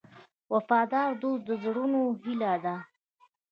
وفادار دوست د زړونو هیله ده.